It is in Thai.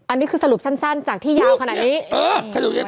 อันนี้คือสรุปสั้นจากที่ยาวขนาดนี้